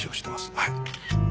はい。